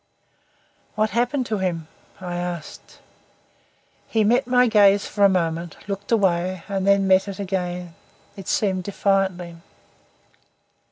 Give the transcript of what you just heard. "What happened to him?" I asked. He met my gaze for a moment, looked away, and then met it again it seemed defiantly.